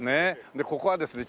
でここはですね